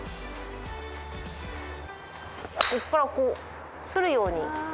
ここからこうするように。